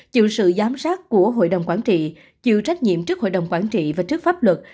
chịu sự giám sát của hội đồng quản trị chịu trách nhiệm trước hội đồng quản trị và trước pháp luật